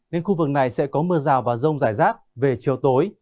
nên khu vực này sẽ có mưa rào và rông rải rác về chiều tối